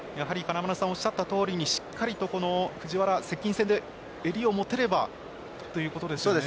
おっしゃたとおりにしっかりと藤原接近戦で襟を持てればということですね。